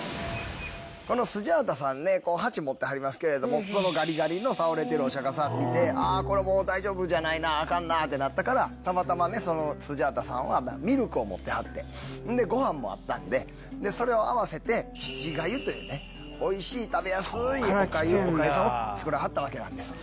このスジャータさんね鉢持ってはりますけれどもそのガリガリの倒れてるお釈迦さん見てこれはもう大丈夫じゃないなアカンなってなったからたまたまねそのスジャータさんはミルクを持ってはってんでご飯もあったんでそれを合わせて乳粥というねおいしい食べやすいお粥さんを作らはったわけなんです。